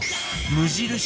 無印